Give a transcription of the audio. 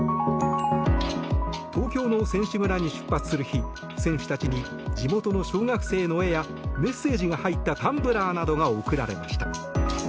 東京の選手村に出発する日選手たちに地元の小学生の絵やメッセージが入ったタンブラーなどが贈られました。